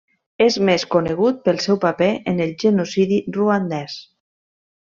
És més conegut pel seu paper en el genocidi ruandès.